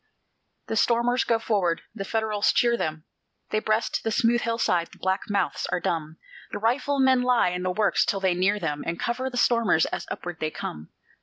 The stormers go forward the Federals cheer them; They breast the smooth hillside the black mouths are dumb; The riflemen lie in the works till they near them, And cover the stormers as upward they come.